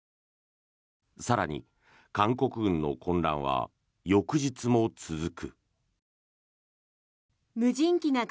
更に韓国軍の混乱は翌日も続く。